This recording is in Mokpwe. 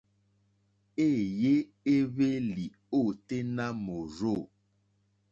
Éèyé éhwélì ôténá mòrzô.